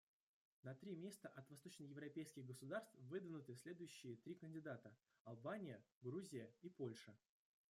На три места от восточноевропейских государств выдвинуты следующие три кандидата: Албания, Грузия и Польша.